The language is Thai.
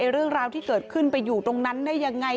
เรื่องราวที่เกิดขึ้นไปอยู่ตรงนั้นได้ยังไง